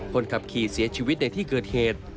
คนขับขี่เสียชีวิตในที่เกิดเหตุ